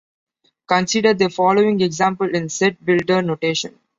Consider the following example in set-builder notation.